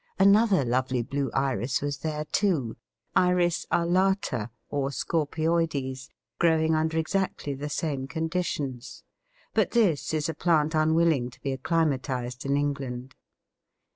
Another lovely blue Iris was there too, I. alata or scorpioides, growing under exactly the same conditions; but this is a plant unwilling to be acclimatised in England.